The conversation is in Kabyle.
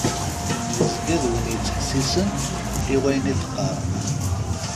Yezga d win yettḥessisen i wayen d-qqreɣ.